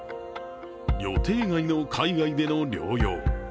予定外の海外での療養。